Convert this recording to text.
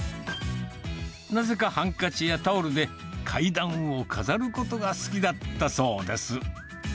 なぜかハンカチやタオルで、階段を飾ることが好きだったそうです。